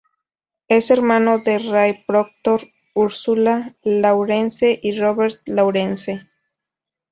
Es hermano de Rae Proctor, Ursula Lawrence y Robert Lawrence.